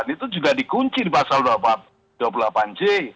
itu juga dikunci di pasal dua puluh delapan j